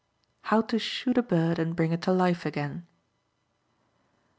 How to Shoot a Bird and Bring It to Life Again.